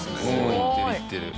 いってるいってる。